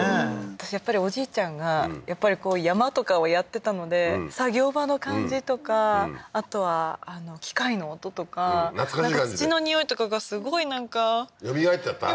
私おじいちゃんがやっぱり山とかをやってたので作業場の感じとかあとは機械の音とか土のにおいとかがすごいなんかよみがえっちゃった？